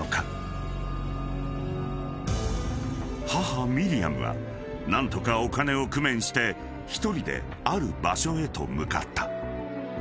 ［母ミリアムは何とかお金を工面して一人である場所へと向かった］